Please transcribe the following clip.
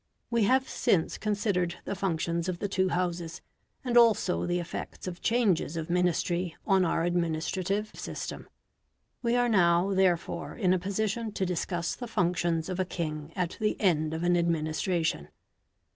We have since considered the functions of the two houses, and also the effects of changes of Ministry on our administrative system; we are now, therefore, in a position to discuss the functions of a king at the end of an administration.